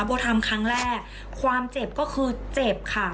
โบทำครั้งแรกความเจ็บก็คือเจ็บค่ะ